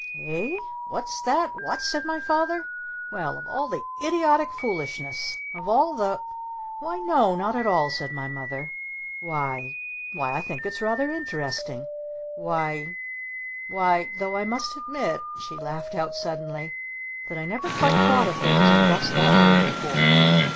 "Eh? What's that? What?" said my Father. "Well, of all the idiotic foolishness! Of all the " "Why no not at all," said my Mother. "Why Why I think it's rather interesting! Why Why Though I must admit," she laughed out suddenly, "that I never quite thought of things in just that way before!"